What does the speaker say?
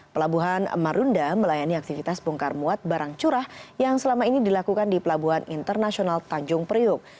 pelabuhan marunda melayani aktivitas bongkar muat barang curah yang selama ini dilakukan di pelabuhan internasional tanjung priuk